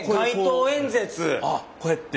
こうやって。